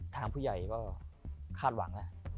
ถามผู้ใหญ่ว่าคาดหวัง